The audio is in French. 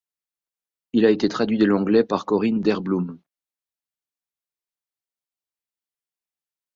Il a été traduit de l'anglais par Corine Derblum.